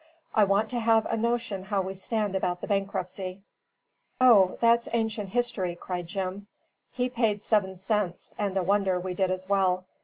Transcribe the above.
"I want to have a notion how we stand about the bankruptcy." "O, that's ancient history," cried Jim. "We paid seven cents, and a wonder we did as well.